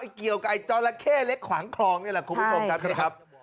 ไอ้เกี่ยวกับไอ้จ๋อระเข้เล็กขวางคลองนี่แหละครับ